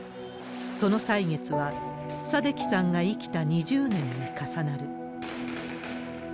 その歳月はサデキさんが生きた２０年に重なる。